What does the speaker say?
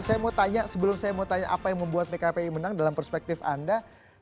saya mau tanya sebelum saya mau tanya apa yang membuat pkpi menang dalam perspektif anda